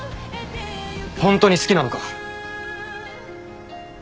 ホントに好きなのか？